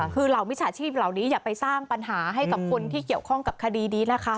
คือเหล่ามิจฉาชีพเหล่านี้อย่าไปสร้างปัญหาให้กับคนที่เกี่ยวข้องกับคดีนี้นะคะ